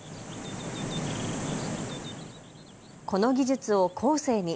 この技術を後世に。